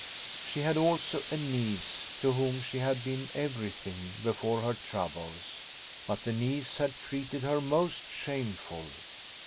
She had also a niece, to whom she had been everything before her troubles, but the niece had treated her most shameful.